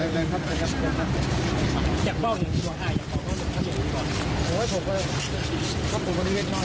จะเป็นคุณทุกคน